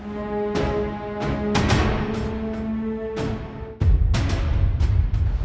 masuk kamar kamu